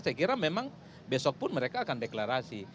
saya kira memang besok pun mereka akan deklarasi